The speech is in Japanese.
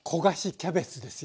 キャベツですよ。